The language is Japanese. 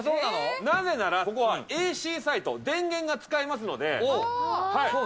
なぜなら、ここはＡＣサイト、電源が使えますので。